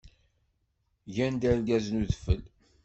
Gan-d argaz n udfel.